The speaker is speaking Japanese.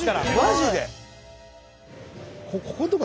マジで？